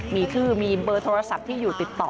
มีชื่อมีเบอร์โทรศัพท์ที่อยู่ติดต่อ